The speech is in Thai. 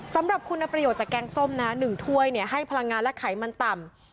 สำหรับคุณประโยชน์จากแกงส้มนะ๑ถ้วยให้พลังงานและไขมันต่ำ